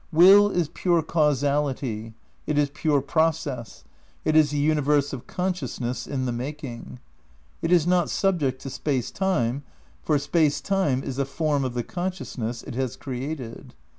Will is pure causal ity; it is pure process; it is the universe of conscious ness in the making. It is not subject to Space Time, for Space Time is a form of the consciousness it has created.